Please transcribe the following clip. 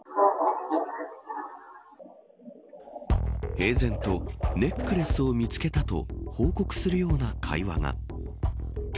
平然とネックレスを見つけたと報告するような会話が。